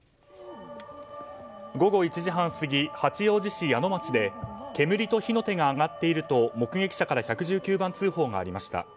午後１時半過ぎ八王子市谷野町で煙と火の手が上がっていると目撃者から１１９番通報がありました。